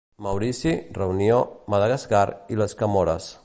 Maurici, Reunió, Madagascar i les Comores.